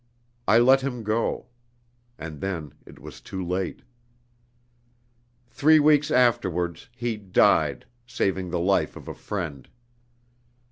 I let him go. And then it was too late. "Three weeks afterwards, he died, saving the life of a friend.